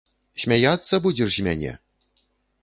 Смяяцца будзеш з мяне?!